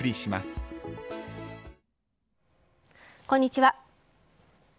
こんにちは。